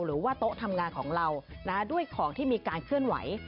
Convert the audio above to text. หรือว่าโต๊ะทำงานของเราด้วยของที่มีการเคลื่อนไหว